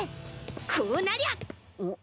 こうなりゃん？